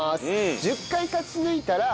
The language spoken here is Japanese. １０回勝ち抜いたら『